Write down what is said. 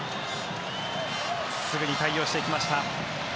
すぐに対応していきました。